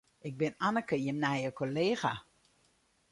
Ik bin Anneke, jim nije kollega.